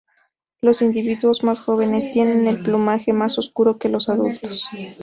Los individuos más jóvenes tienen el plumaje más oscuro que los adultos.